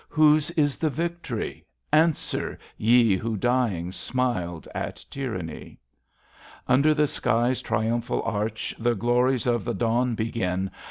Whose is the victory? Answer, ye Who, dying, smiled at tyranny :— Under the sJcys triumphal arch The glories of the dawn begin.